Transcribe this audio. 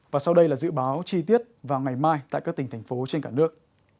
và sau đây là dự báo chi tiết vào ngày mai tại các tỉnh thành phố trên cả nước